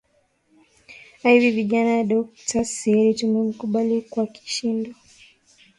i vijana dokta sira tumemkubali kwakishindo